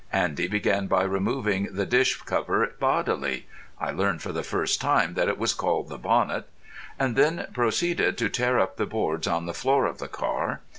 Andy began by removing the dish cover bodily—I learned for the first time that it was called the bonnet,—and then proceeded to tear up the boards on the floor of the car.